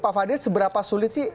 pak fadil seberapa sulit sih